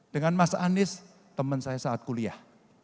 dengan mas anies teman saya saat kuliah